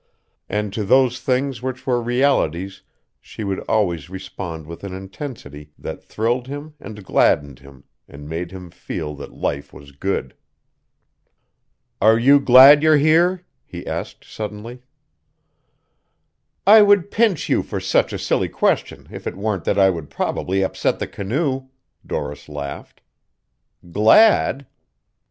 And to those things which were realities she would always respond with an intensity that thrilled him and gladdened him and made him feel that life was good. "Are you glad you're here?" he asked suddenly. "I would pinch you for such a silly question if it weren't that I would probably upset the canoe," Doris laughed. "Glad?"